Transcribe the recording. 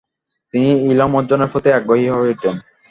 তিনি ইলম অর্জনের প্রতি আগ্রহী হয়ে উঠেন।